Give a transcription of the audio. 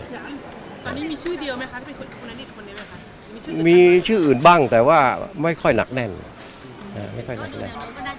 ตอนนี้มีชื่อเดียวไหมคะมีชื่ออื่นบ้างแต่ว่าไม่ค่อยหนักแน่นไม่ค่อยหนักแน่น